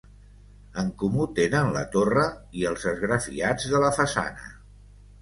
En comú tenen la torre, i els esgrafiats de la façana.